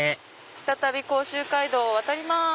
再び甲州街道を渡ります。